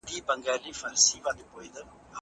جامد فکر د پرمختګ خنډ دی.